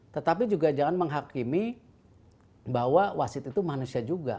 tetapi juga jangan menghakimi bahwa wasit itu manusia juga